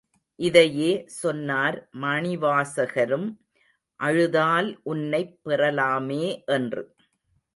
இதையே சொன்னார் மணிவாசகரும், அழுதால் உன்னைப் பெறலாமே என்று.